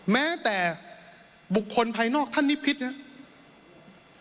แม้แต่บุคคลภายนอกท่านนิพิษนะครับ